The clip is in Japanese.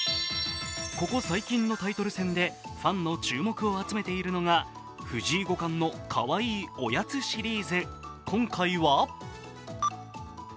ここ最近のタイトル戦で、ファンの注目を集めているのが藤井五冠のかわいいおやつシリーズ。